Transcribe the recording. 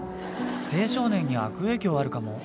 青少年に悪影響あるかも。